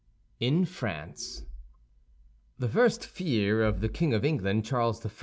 IN FRANCE The first fear of the King of England, Charles I.